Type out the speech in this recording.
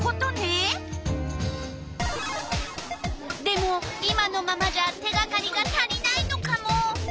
でも今のままじゃ手がかりが足りないのカモ。